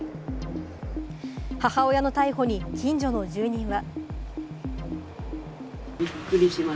母親の逮捕に近所の住人は。